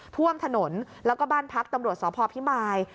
ท่วมถนนแล้วก็บ้านพักตำรวจสพพิมาย